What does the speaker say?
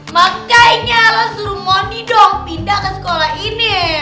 makanya lo suruh moni dong pindah ke sekolah ini